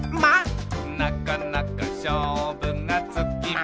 「なかなかしょうぶがつきません」